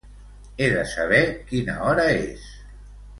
He de saber quina hora és.